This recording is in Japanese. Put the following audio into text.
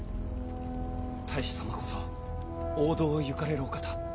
太守様こそ王道を行かれるお方。